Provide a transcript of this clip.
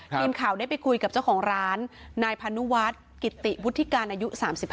ทีมข่าวได้ไปคุยกับเจ้าของร้านนายพานุวัฒน์กิติวุฒิการอายุ๓๕